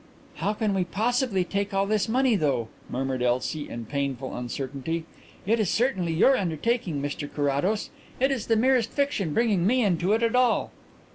"How can we possibly take all this money, though?" murmured Elsie, in painful uncertainty. "It is entirely your undertaking, Mr Carrados. It is the merest fiction bringing me into it at all."